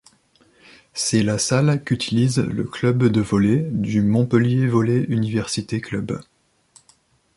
C’est la salle qu’utilise le club de volley du Montpellier Volley Université Club.